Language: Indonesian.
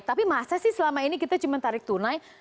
tapi masa sih selama ini kita cuma tarik tunai